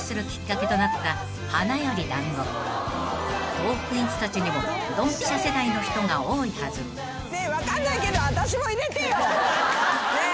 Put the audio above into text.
［トークィーンズたちにもドンピシャ世代の人が多いはず］ねえ分かんないけど。